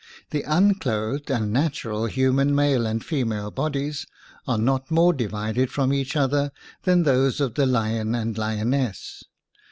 The unclothed and natural human male and female bodies are not more divided from each other than those of the lion and lioness.